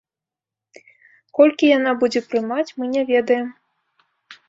Колькі яна будзе прымаць, мы не ведаем.